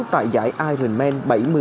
tại giải ironman bảy mươi ba